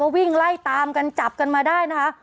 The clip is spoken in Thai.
วิ่งไล่ตามกันจับกันมาได้นะคะ